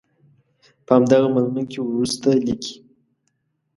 په همدغه مضمون کې وروسته لیکي.